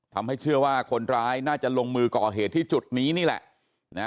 ทำให้เชื่อว่าคนร้ายน่าจะลงมือก่อเหตุที่จุดนี้นี่แหละ